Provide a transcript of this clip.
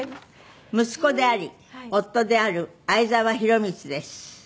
「息子であり夫である相澤宏光です」